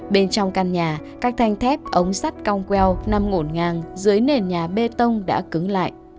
bên trong căn nhà các thanh thép ống sắt cong queo nằm ngổn ngang dưới nền nhà bê tông đã cứng lại